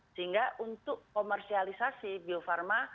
sehingga untuk komersialisasi bio farma